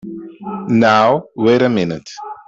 Now wait a minute!